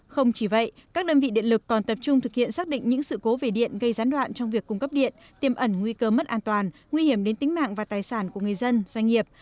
không chỉ vậy các đơn vị điện lực còn tập trung thực hiện xác định những sự cố về điện gây gián đoạn trong việc cung cấp điện tiêm ẩn nguy cơ mất an toàn nguy hiểm đến tính mạng và tài sản của người dân doanh nghiệp